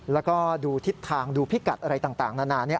แล้วก็ดูทิศทางดูพิกัดอะไรต่างนานานี้